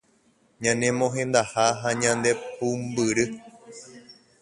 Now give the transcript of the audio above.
ñane mohendaha ha ñande pumbyry